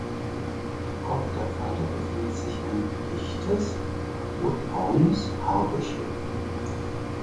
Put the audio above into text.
Am Kopf der Falter befindet sich ein dichtes rotbraunes Haarbüschel.